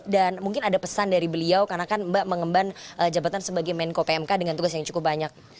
mungkin ada pesan dari beliau karena kan mbak mengemban jabatan sebagai menko pmk dengan tugas yang cukup banyak